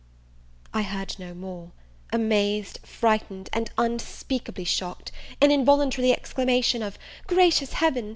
I heard no more: amazed, frightened, and unspeakably shocked, an involuntary exclamation of Gracious Heaven!